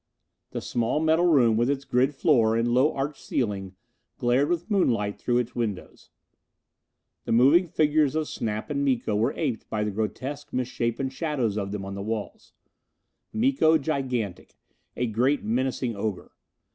The small metal room, with its grid floor and low arched ceiling, glared with moonlight through its windows. The moving figures of Snap and Miko were aped by the grotesque, misshapen shadows of them on the walls. Miko gigantic a great, menacing ogre.